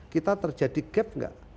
kita terjadi gap tidak